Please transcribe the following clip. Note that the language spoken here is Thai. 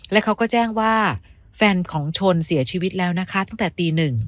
และเขาก็แจ้งว่าแฟนของชนเสียชีวิตแล้วนะคะตั้งแต่ตีหนึ่ง